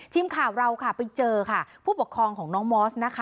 ทีมข่าวเราค่ะไปเจอค่ะผู้ปกครองของน้องมอสนะคะ